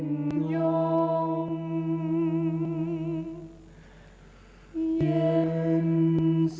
พระวุธญะวิทยาเตอร์ขปเยอะแรกเยส